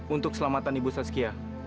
untuk selamatkan ibu soskiah